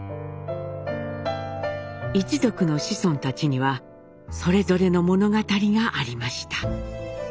一族の子孫たちにはそれぞれの物語がありました。